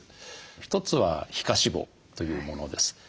一つは皮下脂肪というものです。